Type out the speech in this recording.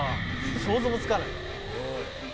想像もつかない。